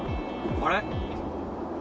あれ？